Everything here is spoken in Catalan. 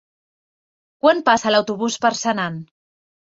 Quan passa l'autobús per Senan?